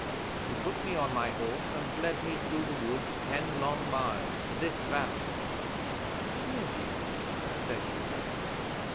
He put me on my horse and led me through the woods ten long miles to this valley.' 'To here, d'you mean?' said Una.